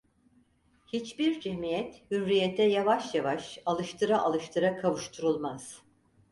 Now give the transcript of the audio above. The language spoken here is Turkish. Hiçbir cemiyet, hürriyete yavaş yavaş, alıştıra alıştıra kavuşturulmaz.